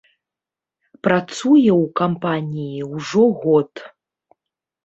Працуе ў кампаніі ўжо год.